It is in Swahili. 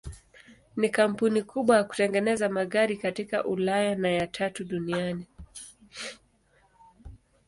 Ni kampuni kubwa ya kutengeneza magari katika Ulaya na ya tatu duniani.